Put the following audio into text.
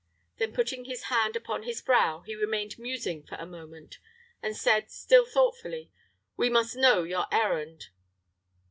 Then putting his hand upon his brow, he remained musing for a moment, and said, still thoughtfully, "We must know your errand."